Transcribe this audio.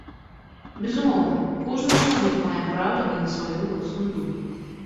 Безумоўна, кожны чалавек мае права і на сваю ўласную думку.